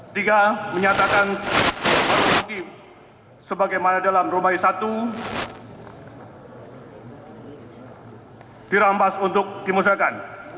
tiga menyatakan terdakwa sebagai mana dalam rumah satu dirampas untuk dimusahakan